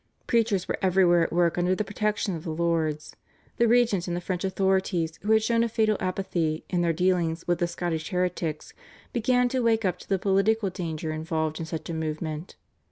Preachers were everywhere at work under the protection of the lords. The regent and the French authorities, who had shown a fatal apathy in their dealings with Scottish heretics, began to wake up to the political danger involved in such a movement.